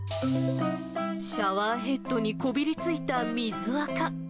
シャワーヘッドにこびりついた水あか。